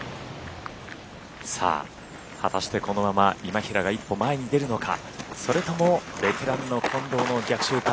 果たしてこのまま今平が一歩前に出るのかそれともベテランの近藤の逆襲か